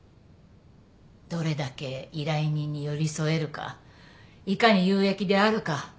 どれだけ依頼人に寄り添えるかいかに有益であるか。